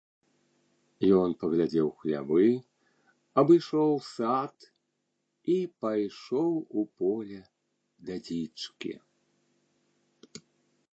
Ён паглядзеў у хлявы, абышоў сад і пайшоў у поле да дзічкі.